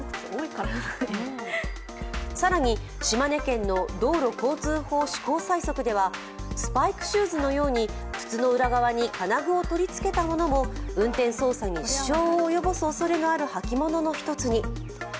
更に、島根県の道路交通法施行細則ではスパイクシューズのように靴の裏側に金具を取り付けたものも運転操作に支障を及ぼすおそれのある履物の一つに。